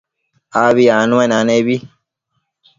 Abi anuenanebi